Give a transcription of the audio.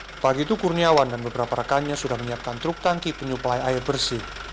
sepagi itu kurniawan dan beberapa rekannya sudah menyiapkan truk tangki penyuplai air bersih